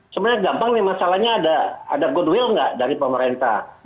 sebenarnya gampang nih masalahnya ada goodwill nggak dari pemerintah